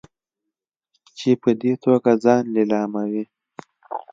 چې په دې توګه ځان لیلاموي.